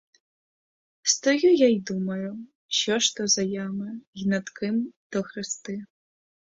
Стою я й думаю: що ж то за ями й над ким то хрести?